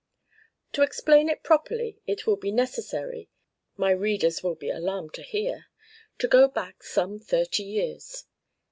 To explain it properly it will be necessary (my readers will be alarmed to hear) to go back some thirty years.